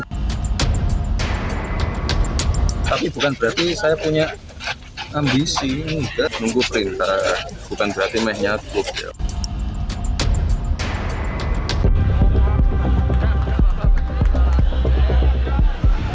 tapi bukan berarti saya punya ambisi untuk menunggu perintah bukan berarti meh nyatuk